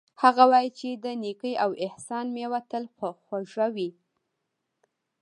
هغه وایي چې د نیکۍ او احسان میوه تل خوږه وي